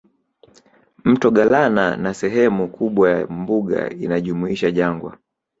Mto Galana na Sehemu kubwa ya mbuga inajumuisha jangwa